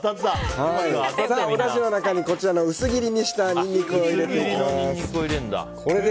おだしの中に薄切りにしたニンニクを入れます。